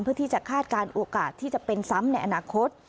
เพื่อที่จะคาดการโอกาสที่เป็นซ้ำในอนาคต